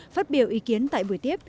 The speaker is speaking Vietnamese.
phát biểu ý kiến tại buổi tiếp